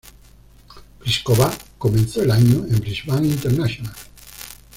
Plíšková comenzó el año en Brisbane International.